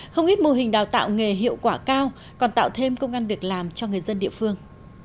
không ít mô hình đào tạo nghề hiệu quả cao còn tạo thêm công an việc làm cho người dân địa phương